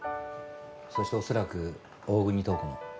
そして恐らく大國塔子も。